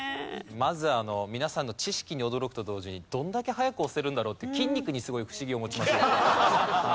まず皆さんの知識に驚くと同時にどんだけ早く押せるんだろうって筋肉にすごい不思議を持ちました僕は。